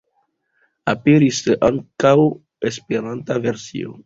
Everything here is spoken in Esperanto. Aperis ankaŭ esperanta versio.